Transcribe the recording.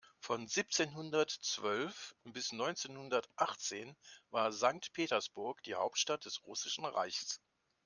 Von siebzehnhundertzwölf bis neunzehnhundertachtzehn war Sankt Petersburg die Hauptstadt des Russischen Reichs.